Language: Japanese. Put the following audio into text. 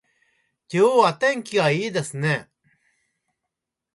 今日は天気がいいですね